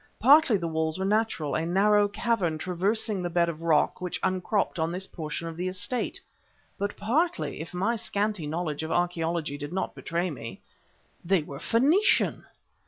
Partly the walls were natural, a narrow cavern traversing the bed of rock which upcropped on this portion of the estate, but partly, if my scanty knowledge of archaeology did not betray me, they were _Phoenician!